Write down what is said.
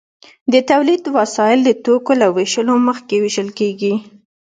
د تولید وسایل د توکو له ویشلو مخکې ویشل کیږي.